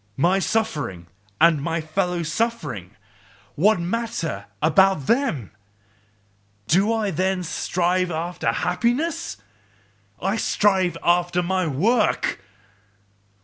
My suffering and my fellow suffering what matter about them! Do I then strive after HAPPINESS? I strive after my WORK!